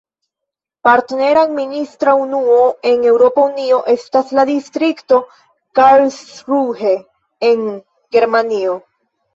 Partnera administra unuo en Eŭropa Unio estas la distrikto Karlsruhe en Germanio.